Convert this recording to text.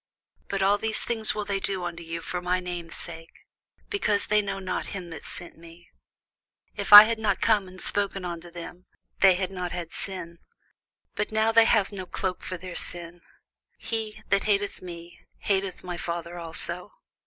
But all these things will they do unto you for my name's sake, because they know not him that sent me. If I had not come and spoken unto them, they had not had sin: but now they have no cloke for their sin. He that hateth me hateth my Father also.